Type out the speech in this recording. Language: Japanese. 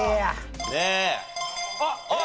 あっ！